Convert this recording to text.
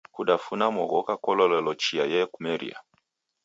Kudafuna mogoka kulolelo chia yekumeria.